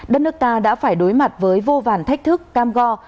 đất nước ta đã phải đối mặt với vô vàn thách thức cam go